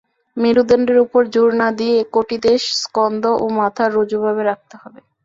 মেরুদণ্ডের উপর জোর না দিয়ে কটিদেশ, স্কন্ধ ও মাথা ঋজুভাবে রাখতে হবে।